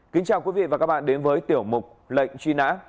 kính chào quý vị và các bạn đến với tiểu mục lệnh truy nã